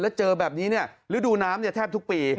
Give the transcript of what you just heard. แล้วเจอแบบนี้ฤดูน้ำแทบทุกปี